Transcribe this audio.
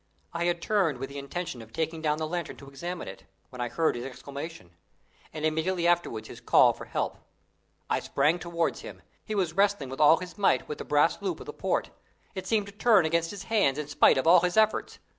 I had turned with the intention of taking down the lantern to examine it, when I heard his exclamation, and immediately afterwards his call for help. I sprang towards him. He was wrestling with all his might with the brass loop of the port. It seemed to turn against his hands in spite of all his efforts.